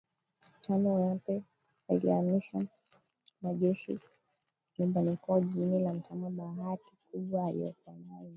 tano Nape alihamishia majeshi nyumbani kwao jimbo la Mtama Bahati kubwa aliyokuwa nayo ni